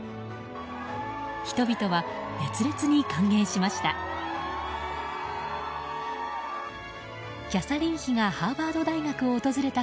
人々は、熱烈に歓迎しました。